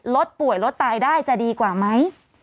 รถป่วยลดตายได้จะดีกว่าไหม